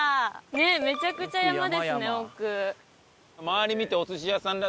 めちゃくちゃ山ですね奥。